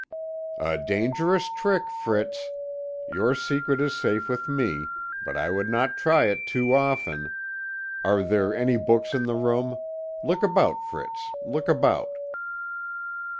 "A dangerous trick, Fritz. Your secret is safe with me, but I would not try it too often. Are there any books in the room? Look about, Fritz, look about."